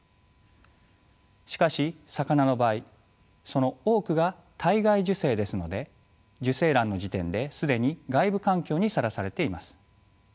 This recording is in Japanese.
しかし魚の場合その多くが体外受精ですので受精卵の時点で既に外部環境にさらされています。